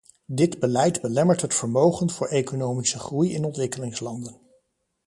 Dit beleid belemmert het vermogen voor economische groei in ontwikkelingslanden.